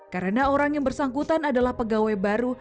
karena orang yang bersangkutan adalah pegawai baru